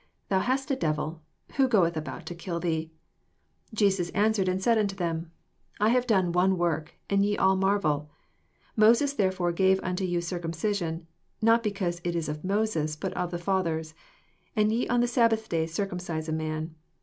Thou hast a devil: who goeth about to kill thee 7 21 Jesus answered and said unto them, I have done one work, and ye all marvel. 22 Moses therefore gave unto you eircumoision (not because it is of Mo ses, but of the fathers) ; and ye on the Sabbath day circumcise a man.